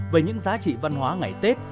về những giá trị văn hóa ngày tết